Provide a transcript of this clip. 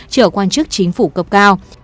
chở quan chức chính phủ cấp cao